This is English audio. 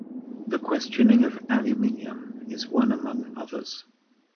The questioning of aluminum is one among others.